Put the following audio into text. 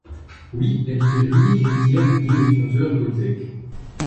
Oui, elle serait l’unique héritière du vieil escompteur Gobseck...